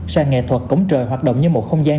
sàn nghệ thuật cổng trời hoạt động như một không gian